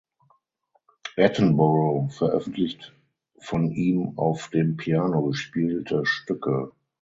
Attenborough veröffentlicht von ihm auf dem Piano gespielte Stücke.